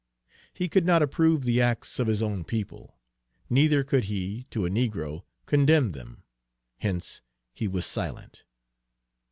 He could not approve the acts of his own people; neither could he, to a negro, condemn them. Hence he was silent.